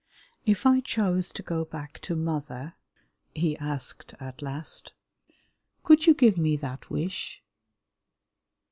"If I chose to go back to mother," he asked at last, "could you give me that wish?"